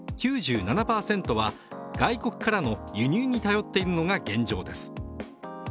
９７％は外国からの輸入に頼っているのが現状です。